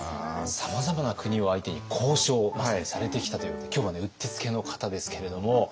さまざまな国を相手に交渉をまさにされてきたということで今日はねうってつけの方ですけれども。